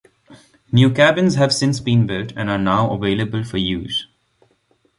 New cabins have since been built and are now available for use.